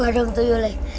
gua dong tuyul leah